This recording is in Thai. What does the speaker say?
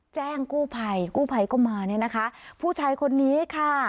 แจ้งกู้ภัยกู้ภัยก็มาเนี่ยนะคะผู้ชายคนนี้ค่ะ